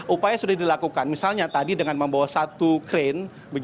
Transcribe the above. upaya sudah dilakukan misalnya tadi dengan membawa satu krain